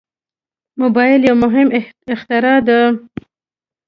موبایل یو مهم اختراع ده.